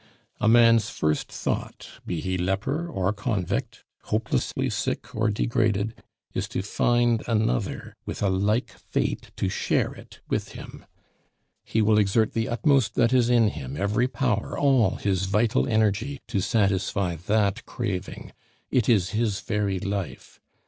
A man's first thought, be he leper or convict, hopelessly sick or degraded, is to find another with a like fate to share it with him. He will exert the utmost that is in him, every power, all his vital energy, to satisfy that craving; it is his very life.